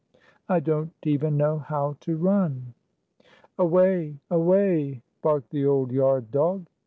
I don't even know how to run." 203 "Away! Away!" barked the old yard dog.